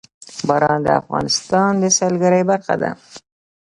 باران د افغانستان د سیلګرۍ برخه ده.